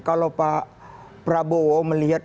kalau pak prabowo melihat